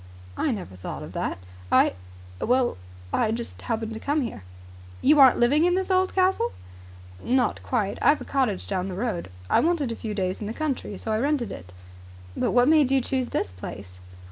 "I never thought of that. I well, I just happened to come here." "You aren't living in this old castle?" "Not quite. I've a cottage down the road. I wanted a few days in the country so I rented it." "But what made you choose this place?"